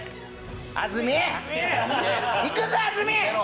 安住、いくぞ安住！